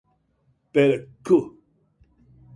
Per qu